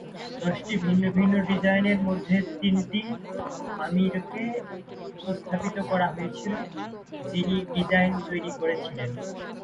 দশটি ভিন্ন ডিজাইনের মধ্যে তিনটি আমিরকে উপস্থাপিত করা হয়েছিল, যিনি ডিজাইন তৈরি করেছিলেন।